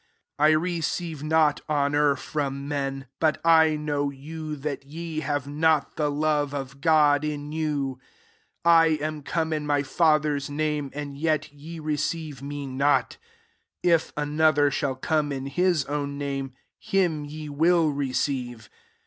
41 "I receive not honour from men: but I know you» that ye have not the love of God in you. 42 I am come in my Fa ther's name, and yet ye receive me not: 43 if another shall come in his own name, him ye will receive.